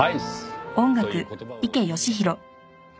はい。